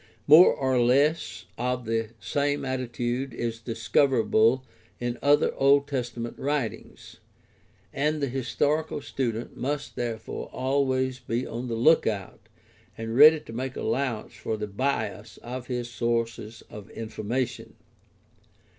More or less of the same attitude is discoverable in other Old Testament writings, and the historical student must therefore always be on the lookout and ready to make allowance for the bias of his sources of information.